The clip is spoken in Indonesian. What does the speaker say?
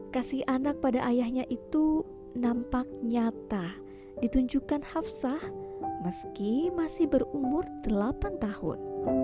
kasih anak pada ayahnya itu nampak nyata ditunjukkan hafsah meski masih berumur delapan tahun